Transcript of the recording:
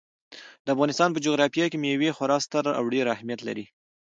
د افغانستان په جغرافیه کې مېوې خورا ستر او ډېر اهمیت لري.